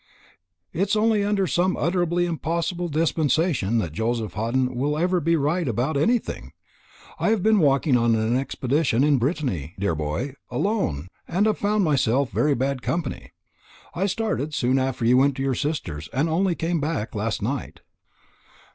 "It is only under some utterly impossible dispensation that Joseph Hawdon will ever be right about anything. I have been on a walking expedition in Brittany, dear boy, alone, and have found myself very bad company. I started soon after you went to your sister's, and only came back last night.